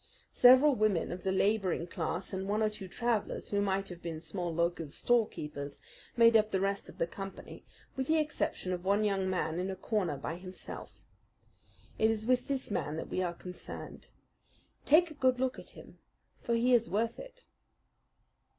Several women of the labouring class and one or two travellers who might have been small local storekeepers made up the rest of the company, with the exception of one young man in a corner by himself. It is with this man that we are concerned. Take a good look at him; for he is worth it.